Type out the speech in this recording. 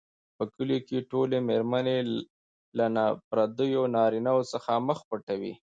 په کلیو کې ټولې مېرمنې له نا پردیو نارینوو څخه مخ پټوي.